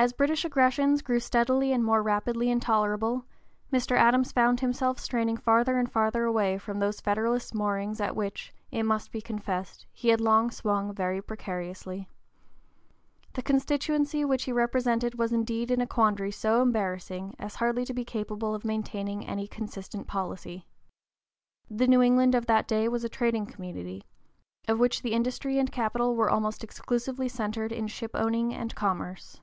As British aggressions grew steadily and rapidly more intolerable, Mr. Adams found himself straining farther and farther away from those Federalist moorings at which, it must be confessed, he had long swung very precariously. The constituency which he represented was indeed in a quandary so embarrassing as hardly to be capable of maintaining any consistent policy. The New England of that day was a trading community, of which the industry and capital were almost exclusively centred in ship owning and commerce.